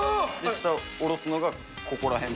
下おろすのがここら辺。